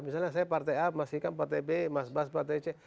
misalnya saya partai a mas hikam partai b mas bas partai c